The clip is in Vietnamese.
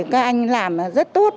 các anh làm rất tốt